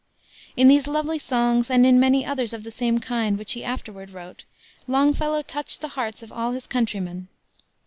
In these lovely songs and in many others of the same kind which he afterward wrote, Longfellow touched the hearts of all his countrymen.